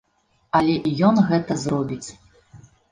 Але і ён гэта зробіць.